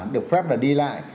được phép là đi lại